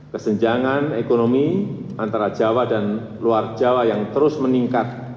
kesenjangan ekonomi antara jawa dan luar jawa yang terus meningkat